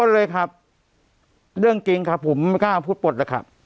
เลยครับเรื่องจริงครับผมไม่กล้าพูดปลดแล้วครับ